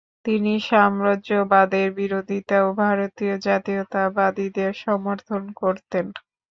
তিনি সাম্রাজ্যবাদের বিরোধিতা ও ভারতীয় জাতীয়তাবাদীদের সমর্থন করতেন।